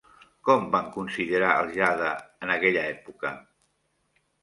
Com van considerar el jade en aquella època?